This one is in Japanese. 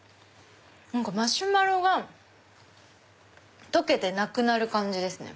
マシュマロが溶けてなくなる感じですね。